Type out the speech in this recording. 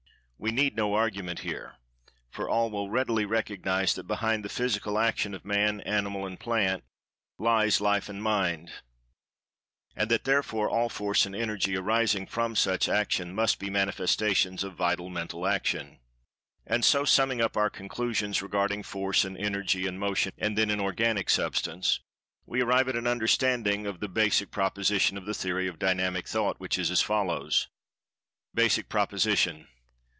We need no argument here—for all will readily recognize that behind the physical action of man, animal and plant, lies Life and Mind, and that therefore all Force and Energy arising from such action must be manifestations of Vital Mental Action.[Pg 157] And so, summing up our conclusions regarding Force and Energy and Motion in Inorganic Substance—and then in Organic Substance—we arrive at an understanding of the Basic Proposition of the Theory of Dynamic Thought, which is as follows: Basic Proposition.